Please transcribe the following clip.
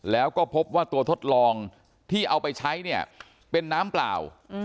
แล้วก็พบว่าตัวทดลองที่เอาไปใช้เนี่ยเป็นน้ำเปล่า